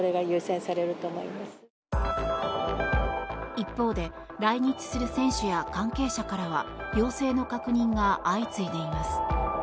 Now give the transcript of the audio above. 一方で来日する選手や関係者からは陽性の確認が相次いでいます。